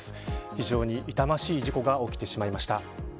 非常に痛ましい事故が起きてしまいました。